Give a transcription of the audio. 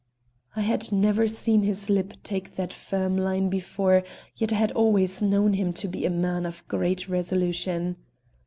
I had never seen his lip take that firm line before, yet I had always known him to be a man of great resolution.